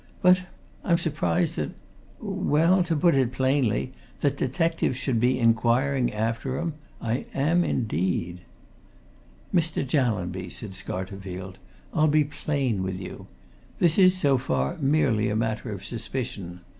But I'm surprised that well, to put it plainly that detectives should be inquiring after 'em! I am, indeed." "Mr. Jallanby," said Scarterfield, "I'll be plain with you. This is, so far, merely a matter of suspicion.